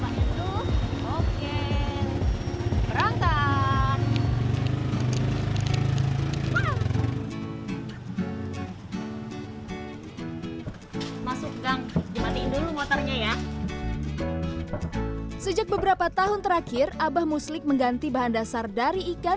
masuk gang dimatiin dulu motarnya ya sejak beberapa tahun terakhir abah muslik mengganti bahan dasar dari